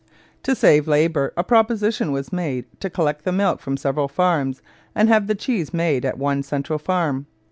To save labour, a proposition was made to collect the milk from several farms and have the cheese made at one central farm.